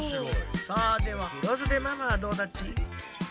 さあではヒロスデママはどうだっち？